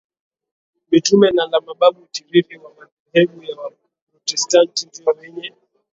Mitume na la Mababu Utitiri wa madhehebu ya Waprotestanti ndio wenye